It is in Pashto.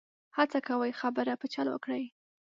هڅه کوي خبره په چل وکړي.